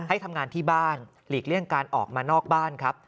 ให้ทำงานที่บ้านหลีกเลี่ยงการออกมานอกบ้านครับ